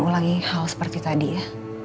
ulangi hal seperti tadi ya